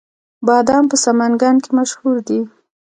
بادام په سمنګان کې مشهور دي